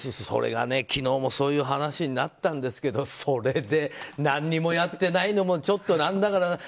それが昨日もそういう話になったんですけどそれで何にもやってないのもちょっと何だかな。